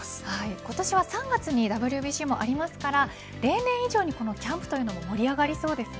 今年は３月にＷＢＣもありますから例年以上にキャンプというのも盛り上がりそうですね。